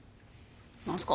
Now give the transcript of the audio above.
何すか？